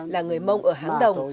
là người mông ở háng đồng